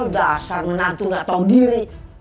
dasar menantu gak tau diri